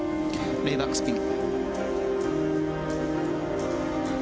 レイバックスピン。